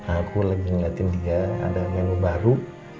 aku lagi ngeliatin dia ada menu baru